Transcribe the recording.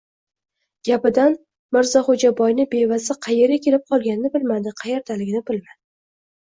Gapidan, Mirzaxo‘jaboyni bevasi qaerga kelib qolganini bilmadi, qaerdaligini bilmadi.